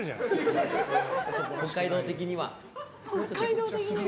北海道的には。